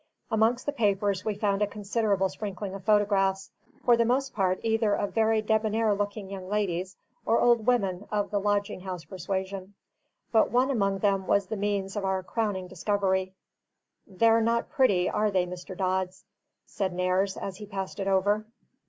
Amongst the papers we found a considerable sprinkling of photographs; for the most part either of very debonair looking young ladies or old women of the lodging house persuasion. But one among them was the means of our crowning discovery. "They're not pretty, are they, Mr. Dodd?" said Nares, as he passed it over.